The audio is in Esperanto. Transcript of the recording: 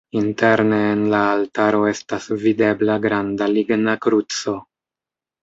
Interne en la altaro estas videbla granda ligna kruco.